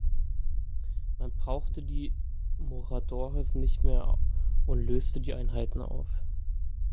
Man brauchte die Moradores nicht mehr und löste die Einheiten auf.